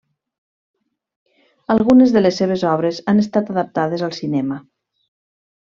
Algunes de les seves obres han estat adaptades al cinema.